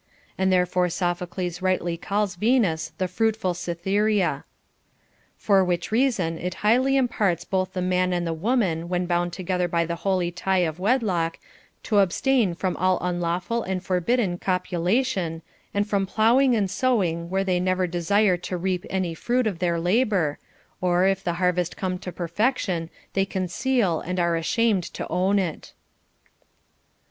And therefore Sophocles rightly calls Venus the fruitful Cytberea. For which reason it highly imports both the man and the woman, when bound together by the hoi ν tie of wedlock, to abstain from all unlawful and forbidden copulation, and from ploughing and sowing where they never desire to reap any fruit of their labor, or, if the harvest come to perfection, they conceal and are ashamed to own it.